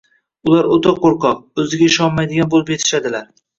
ular o‘ta qo‘rqoq, o‘ziga ishonmaydigan bo‘lib yetishadilar.